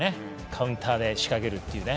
カウンターで仕掛けるっていうね。